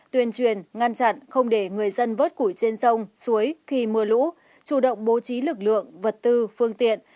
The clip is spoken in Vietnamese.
tuyên truyền ngăn chặn không để người dân vớt củi trên sông suối khi mưa lũ chủ động bố trí lực lượng vật tư phương tiện